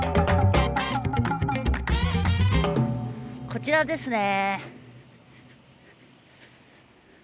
こちらですね。